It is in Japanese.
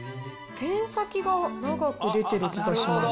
ペン先が長く出てる気がします。